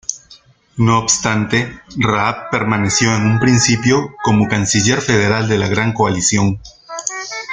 No obstante, Raab permaneció en un principio como Canciller Federal de la gran coalición.